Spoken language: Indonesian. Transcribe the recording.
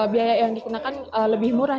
biaya yang dikenakan lebih murah